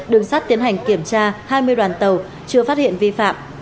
đường sát tiến hành kiểm tra hai mươi đoàn tàu chưa phát hiện vi phạm